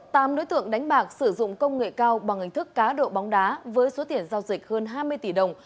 tám đối tượng đánh bạc sử dụng công nghệ cao bằng hình thức cá độ bóng đá với số tiền giao dịch hơn hai mươi tỷ đồng